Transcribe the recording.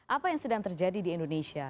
apa yang sedang terjadi di indonesia